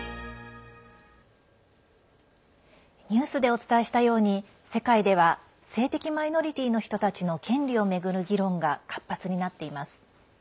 ニュースでお伝えしたように世界では性的マイノリティーの人たちの権利を巡る議論が活発になっています。